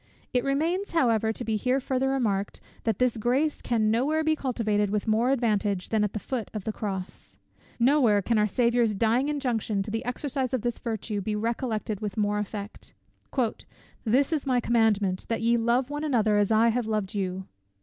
It remains, however to be here farther remarked, that this grace can no where be cultivated with more advantage than at the foot of the cross. No where can our Saviour's dying injunction to the exercise of this virtue be recollected with more effect; "This is my commandment, that ye love one another as I have loved you."